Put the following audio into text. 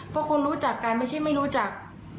เพราะคนรู้จักกันไม่ใช่ไม่รู้จัก